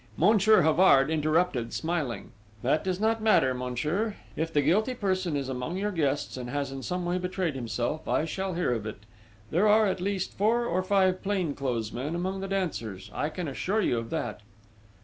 Monsieur Havard interrupted, smiling: "That does not matter, Monsieur: if the guilty person is among your guests and has in some way betrayed himself, I shall hear of it. There are, at least, four or five plain clothes men among the dancers, I can assure you of that."